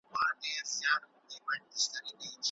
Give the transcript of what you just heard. ماویل زه به د سپېدو پر اوږو